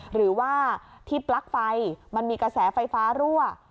หรือว่าที่ปลั๊กไฟมันมีกระแสไฟฟ้ารั่ว